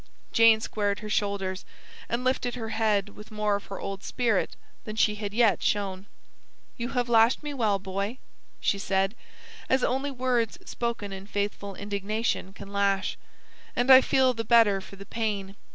Jane squared her shoulders and lifted her head with more of her old spirit than she had yet shown. "You have lashed me well, Boy," she said, "as only words spoken in faithful indignation can lash. And I feel the better for the pain.